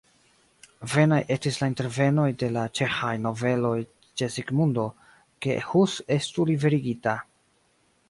Vanaj estis la intervenoj de la ĉeĥaj nobeloj ĉe Sigmundo, ke Hus estu liberigita.